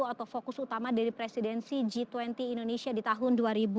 atau fokus utama dari presidensi g dua puluh indonesia di tahun dua ribu dua puluh